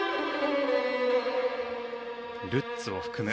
ルッツを含む